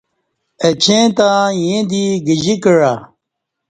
اچی تہ ایں دی گجی کعہ